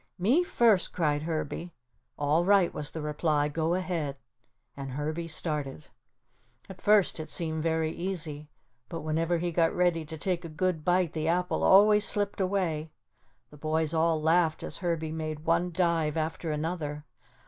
"Me first," cried Herbie. "All right," was the reply, "go ahead." And Herbie started. At first it seemed very easy, but whenever he got ready to take a good bite the apple always slipped away. The boys all laughed as Herbie made one dive after another.